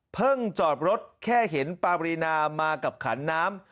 จอดรถแค่เห็นปารีนามากับขันน้ำ